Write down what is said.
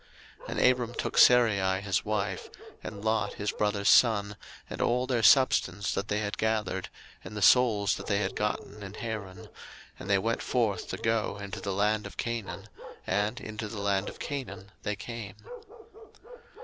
01:012:005 And Abram took Sarai his wife, and Lot his brother's son, and all their substance that they had gathered, and the souls that they had gotten in Haran; and they went forth to go into the land of Canaan; and into the land of Canaan they came.